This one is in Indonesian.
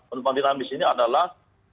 penumpang dinamis ini adalah